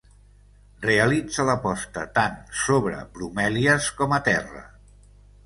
Realitza la posta tant sobre bromèlies com a terra.